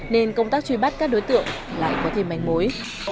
nên công tác truy bắt các đối tượng lại có thêm manh mối